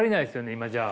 今じゃあ。